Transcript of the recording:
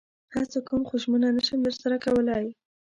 هڅه کوم خو ژمنه نشم درسره کولئ